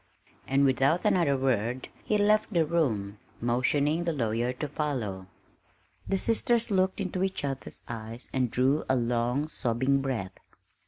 And without another word he left the room, motioning the lawyer to follow. The sisters looked into each other's eyes and drew a long, sobbing breath.